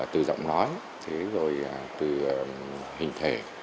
từ giọng nói từ hình thể